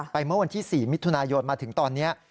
เมื่อวันที่๔มิถุนายนมาถึงตอนนี้